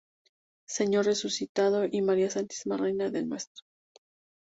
Señor Resucitado y María Santísima Reina de Ntra.